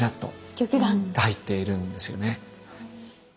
玉眼！が入っているんですよね。